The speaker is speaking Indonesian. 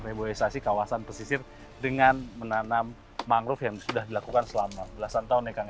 reboisasi kawasan pesisir dengan menanam mangrove yang sudah dilakukan selama belasan tahun ya kang